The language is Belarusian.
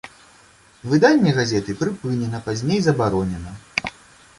Выданне газеты прыпынена, пазней забаронена.